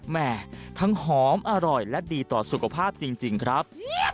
แม่ทั้งหอมอร่อยและดีต่อสุขภาพจริงครับ